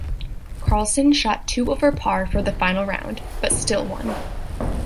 Karlsson shot two-over-par for the final round, but still won.